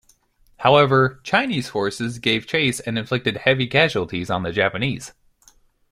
However, Chinese forces gave chase and inflicted heavy casualties on the Japanese.